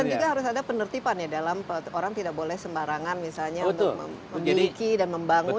tapi tentu saja harus ada penertipan ya dalam orang tidak boleh sembarangan misalnya memiliki dan membangun